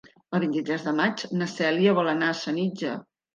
El vint-i-tres de maig na Cèlia vol anar a Senija.